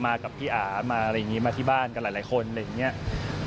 มากับพี่อาฟมาที่บ้านกับหลายคนกัน